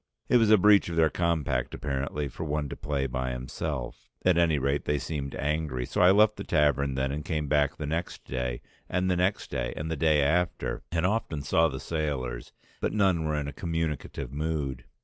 It was a breach of their compact apparently for one to play by himself, at any rate they seemed angry. So I left the tavern then and came back again next day, and the next day and the day after, and often saw the sailors, but none were in a communicative mood.